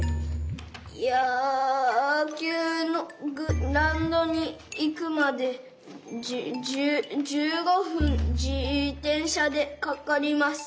やきゅうのグラウンドにいくまでじゅじゅ１５ふんじてんしゃでかかります」。